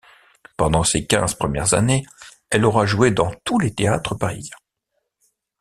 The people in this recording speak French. Pendant ces quinze premières années, elle aura joué dans tous les théâtres parisiens.